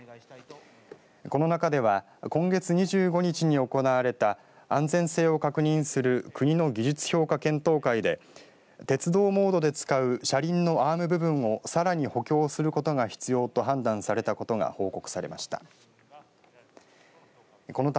この中では今月２５日に行われた安全性を確認する国の技術評価検討会で鉄道モードで使う車輪のアーム部分をさらに補強することが必要と判断されたことが報告されました。